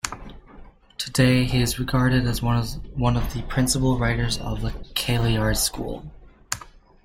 Today he is regarded as one of the principal writers of the Kailyard school.